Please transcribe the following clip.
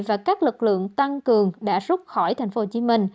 và các lực lượng tăng cường đã rút khỏi tp hcm